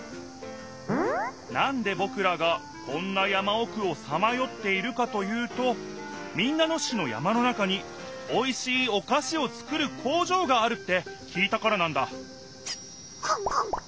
なんでぼくらがこんな山おくをさまよっているかというと民奈野市の山の中においしいおかしをつくる工場があるって聞いたからなんだクンクン。